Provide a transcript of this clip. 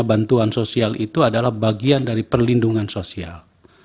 bantuan sosial itu adalah bagian dari perlindungan sosial